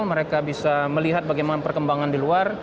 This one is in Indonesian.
mereka bisa melihat bagaimana perkembangan di luar